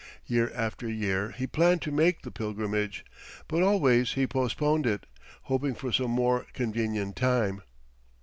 Year after year he planned to make the pilgrimage, but always he postponed it, hoping for some more convenient time.